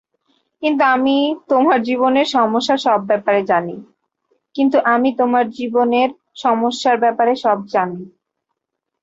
কিন্তু আমি তোমার জীবনের সমস্যার ব্যাপারে সব জানি।